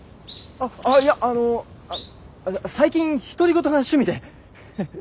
ああっいやあの最近独り言が趣味で。